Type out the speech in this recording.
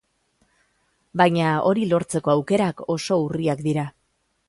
Baina hori lortzeko aukerak oso urriak dira.